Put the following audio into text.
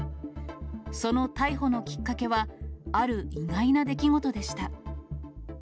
その逮捕のきっかけは、ある意外な出来事でした。